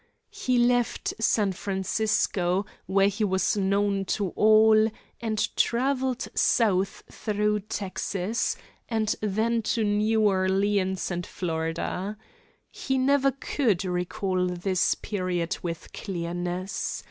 He left San Francisco, where he was known to all, and travelled south through Texas, and then to New Orleans and Florida. He never could recall this period with clearness.